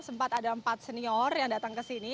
sempat ada empat senior yang datang kesini